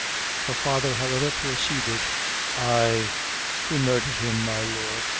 Her father, however, proceeded: "Ay who murdhered him, my lord?